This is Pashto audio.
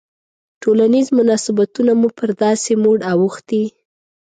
ټولنیز مناسبتونه مو پر داسې موډ اوښتي.